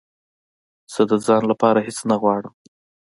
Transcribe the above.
زه د ځان لپاره هېڅ نه غواړم